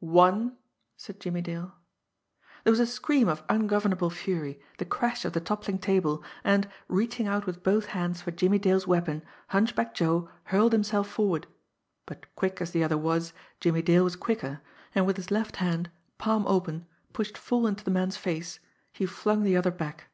"One!" said Jimmie Dale. There was a scream of ungovernable fury, the crash of the toppling table, and, reaching out with both hands for Jimmie Dale's weapon, Hunchback Joe hurled himself forward but quick as the other was, Jimmie Dale was quicker, and with his left hand, palm open, pushed full into the man's face, he flung the other back.